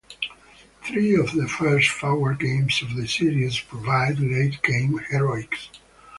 Three of the first four games of the series provided late-game heroics.